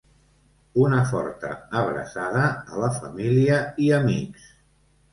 Una forta abraçada a la família i amics.